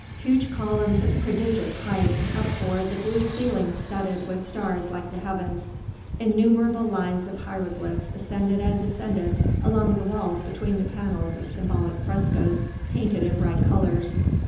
Huge columns of prodigious height upbore the blue ceiling studded with stars like the heavens; innumerable lines of hieroglyphs ascended and descended along the walls between the panels of symbolic frescoes painted in bright colours.